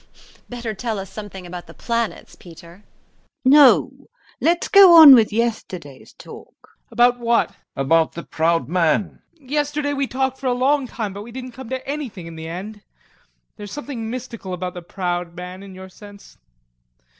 ] VARYA. Better tell us something about the planets, Peter. LUBOV ANDREYEVNA. No, let's go on with yesterday's talk! TROFIMOV. About what? GAEV. About the proud man. TROFIMOV. Yesterday we talked for a long time but we didn't come to anything in the end. There's something mystical about the proud man, in your sense.